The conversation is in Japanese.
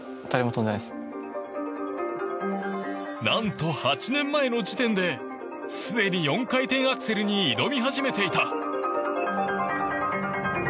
何と８年前の時点ですでに４回転アクセルに挑み始めていた。